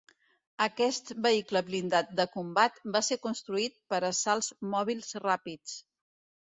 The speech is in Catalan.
Aquest vehicle blindat de combat va ser construït per assalts mòbils ràpids.